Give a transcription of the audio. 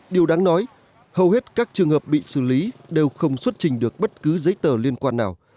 điều đáng nói hầu hết các trường hợp bị xử lý đều không xuất trình được bất cứ giấy tờ liên quan nào